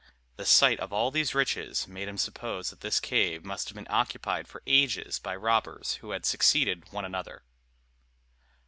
The sight of all these riches made him suppose that this cave must have been occupied for ages by robbers, who had succeeded one another.